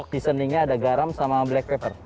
seasoning nya ada garam sama black pepper